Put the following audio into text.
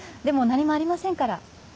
でも何もありませんから。